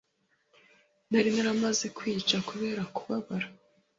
nari naramaze kwiyica kubera kubabara